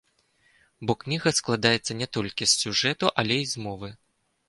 Бо кніга складаецца не толькі з сюжэту, але і з мовы.